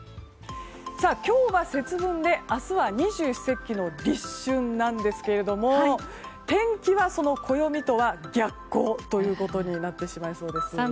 今日は節分で明日は二十四節気の立春なんですけれども天気は暦とは逆行ということになってしまいそうです。